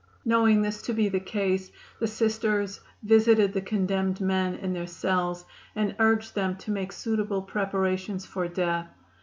Knowing this to be the case the Sisters visited the condemned men in their cells and urged them to make suitable preparations for death.